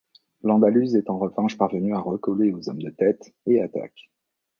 Landaluze est en revanche parvenu à recoller aux hommes de tête, et attaque.